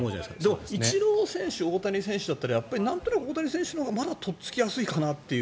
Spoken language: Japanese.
でも、イチロー選手大谷選手だったらなんとなく大谷選手のほうがまだとっつきやすいかなという。